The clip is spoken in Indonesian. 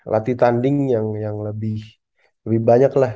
latih tanding yang lebih banyak lah